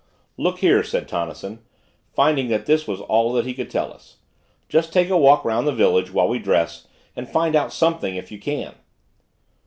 "Look here," said Tonnison, finding that this was about all that he could tell us, "just take a walk 'round the village, while we dress, and find out something, if you can."